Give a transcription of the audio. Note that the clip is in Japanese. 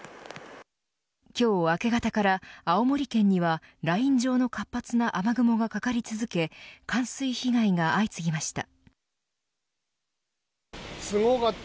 今日明け方から、青森県にはライン状の活発な雨雲がかかり続け冠水被害が相次ぎました。